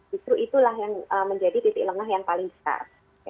justru itulah yang menjadi titik lengah yang paling besar